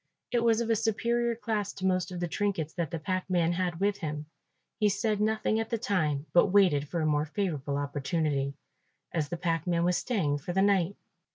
It was of a superior class to most of the trinkets that the packman had with him. He said nothing at the time but waited for a more favourable opportunity, as the packman was staying for the night.